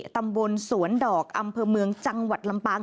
ตำบลสวนดอกอำเภอเมืองจังหวัดลำปาง